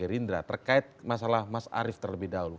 jadi ini adalah partai gerindra terkait masalah mas arief terlebih dahulu